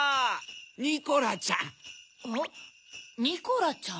ニコラちゃん！